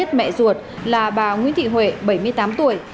công an huyện tân châu đã giết mẹ ruột là bà nguyễn thị huệ bảy mươi tám tuổi